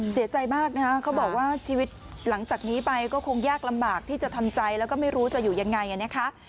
เสียใจมากนะคะเขาบอกว่าชีวิตหลังจากนี้ไปก็คงยากลำบากที่จะทำใจแล้วก็ไม่รู้จะอยู่ยังไงนะคะ